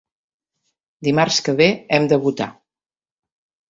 Dimarts que ve hem de votar.